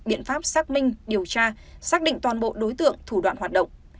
biện pháp xác minh điều tra xác định toàn bộ đối tượng thủ đoạn hoạt động